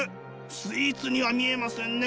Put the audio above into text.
スイーツには見えませんね